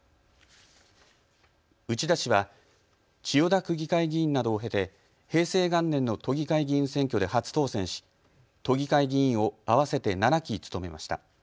内田氏は千代田区議会議員などを経て平成元年の都議会議員選挙で初当選し都議会議員を合わせて７期務めました。